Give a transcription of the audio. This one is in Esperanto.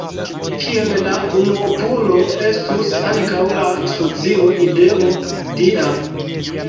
Kiel la unuopulo estus ankaŭ la socio ideo dia.